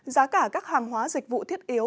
giá cả các hàng hóa dịch vụ thiết yếu